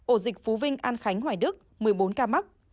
ổ dịch phú vinh an khánh hoài đức một mươi bốn ca mắc